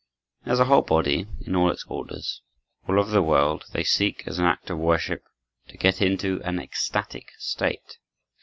As a whole body, in all its orders, all over the world, they seek, as an act of worship, to get into an ecstatic state.